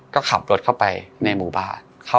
ก็ขับรถเข้าไปในหมู่บ้าน